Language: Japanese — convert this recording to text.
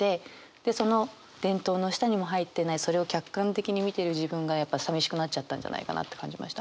でその電灯の下にも入ってないそれを客観的に見てる自分がやっぱさみしくなっちゃったんじゃないかなって感じました。